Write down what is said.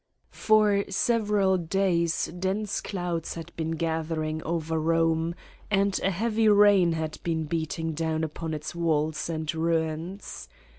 For several days dense clonds had been gather ing over Borne and a heavy rain had been beating down upon its walls and ruins.